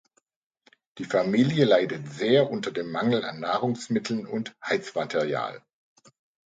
Die Familie leidet sehr unter dem Mangel an Nahrungsmitteln und Heizmaterial.